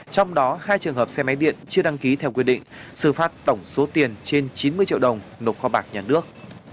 trong đó hai trường hợp xe máy điện chưa đăng ký theo quy định xử phạt tổng số tiền trên chín mươi triệu đồng nộp kho bạc nhà nước